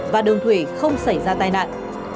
và đường thủy không xảy ra một vụ làm một người chết